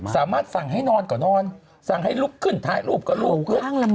สามารถสั่งให้นอนกว่านอนสั่งให้ลุกขึ้นถ่ายรูปก็ลุก